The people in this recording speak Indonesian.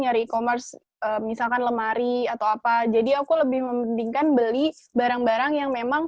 nyari e commerce misalkan lemari atau apa jadi aku lebih mementingkan beli barang barang yang memang